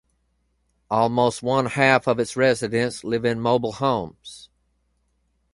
Almost one-half of its residents live in mobile homes.